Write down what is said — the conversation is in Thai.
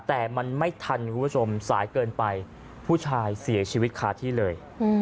แต่มันไม่ทันคุณผู้ชมสายเกินไปผู้ชายเสียชีวิตคาที่เลย